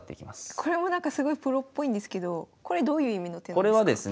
これもすごいプロっぽいんですけどこれどういう意味の手なんですか？